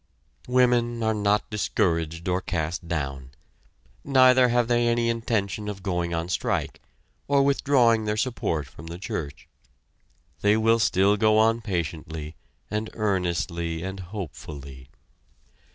Women are not discouraged or cast down. Neither have they any intention of going on strike, or withdrawing their support from the church. They will still go on patiently, and earnestly and hopefully.